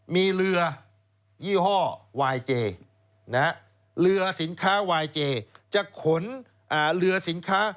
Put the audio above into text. มีเรือยี่ห้อวายเจเรือสินค้าวายเจจะขนเรือสินค้า